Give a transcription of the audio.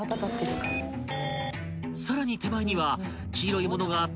［さらに手前には］